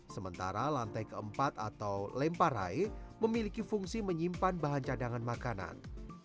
sementara lantai keempat atau lempar hai memiliki fungsi menyimpan bahan cadangan makanan